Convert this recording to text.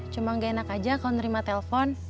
cuma nggak enak aja kalau nerima telpon